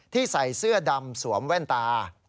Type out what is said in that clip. ใส่เสื้อดำสวมแว่นตา